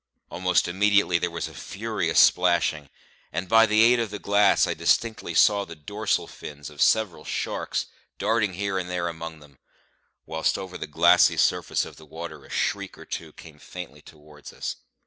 Almost immediately there was a furious splashing, and by the aid of the glass I distinctly saw the dorsal fins of several sharks darting here and there among them, whilst over the glassy surface of the water a shriek or two came faintly towards us.